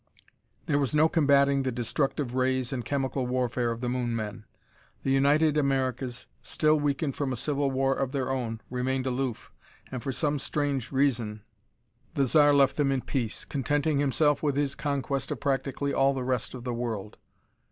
There was no combatting the destructive rays and chemical warfare of the Moon men. The United Americas, still weakened from a civil war of their own, remained aloof and, for some strange reason, the Zar left them in peace, contenting himself with his conquest of practically all of the rest of the world.